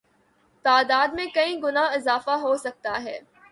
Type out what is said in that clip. تعداد میں کئی گنا اضافہ ہوسکتا ہے